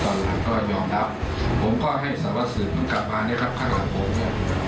ตอนหลังก็ยอมรับผมก็ให้สรรพสิทธิ์กลับมาข้างหลังผมเนี่ย